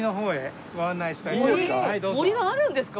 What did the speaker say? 森があるんですか？